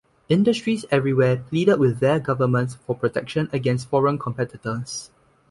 Industries everywhere pleaded with their governments for protection against foreign competitors.